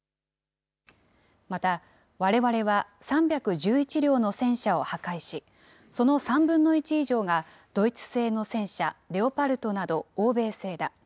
また、われわれは３１１両の戦車を破壊し、その３分の１以上がドイツ製の戦車、レオパルトなど欧米製だ。